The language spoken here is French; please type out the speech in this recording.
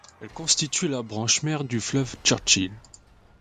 Elle constitue la branche mère du fleuve Churchill.